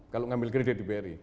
kalau ngambil kredit di bri